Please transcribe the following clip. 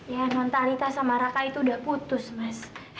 ya non talita sama raka itu udah putus mas